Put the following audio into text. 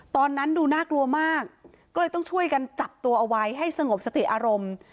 ตอนนั้นดูน่ากลัวมากก็เลยต้องช่วยกันจับตัวเอาไว้ให้สงบสติอารมณ์